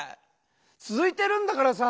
続いてるんだからさ！